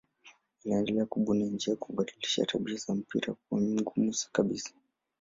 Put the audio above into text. Aliendelea kubuni njia ya kubadilisha tabia za mpira kuwa mgumu kabisa.